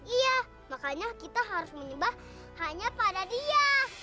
iya makanya kita harus menyebah hanya pada dia